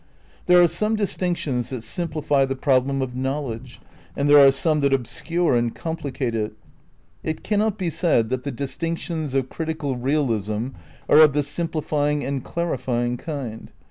There are some distinctions that simplify the prob lem of knowledge, and there are some that obscure and complicate it. It cannot be said that the distinctions of critical realism are of the simplifying and clarifying kind.